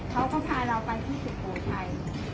เขาก็พาเราไปที่ศุภาพไทย